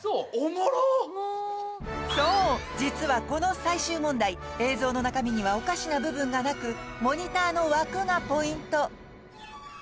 実はこの最終問題映像の中身にはおかしな部分がなくモニターの枠がポイント！